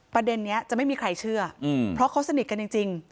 ประเด็นนี้จะไม่มีใครเชื่อเพราะเขาสนิทกันจริง